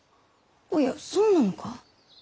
おやそうなのか！？